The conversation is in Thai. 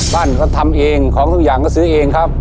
บ้านเขาทำเองของทุกอย่างก็ซื้อเองครับ